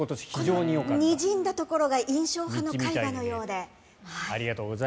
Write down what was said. にじんだところが印象派の絵画のようで。